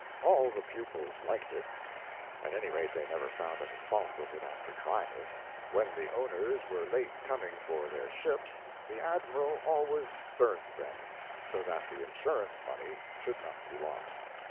All the pupils liked it. At any rate, they never found any fault with it after trying it. When the owners were late coming for their ships, the Admiral always burned them, so that the insurance money should not be lost.